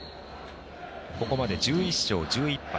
ここまで１１勝１１敗。